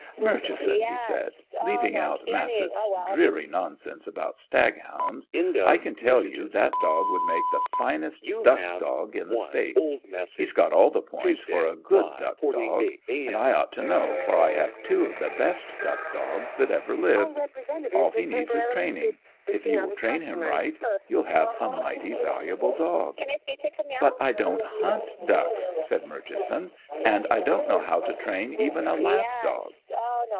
"Murchison," he said, "leaving out Mas sett's dreary nonsense about staghounds, I can tell you that dog would make the finest duck dog in the State. He's got all the points for a good duck dog, and I ought to know for I have two of the best duck dogs that ever lived. All he needs is training. If you will train him right you'll have a mighty valuable dog." "But I don't hunt ducks," said Murchison, "and I don't know how to train even a lap dog."